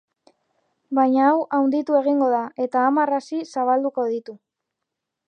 Baina hau handitu egingo da eta hamar hazizabalduko ditu.